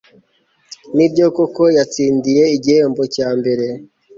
Nibyo koko yatsindiye igihembo cya mbere